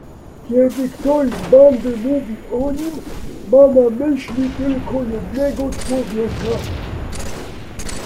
"Kiedy ktoś z bandy mówi o „nim“, ma na myśli tylko jednego człowieka."